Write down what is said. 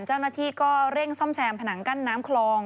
เจ้าหน้าที่ก็เร่งซ่อมแซมผนังกั้นน้ำคลอง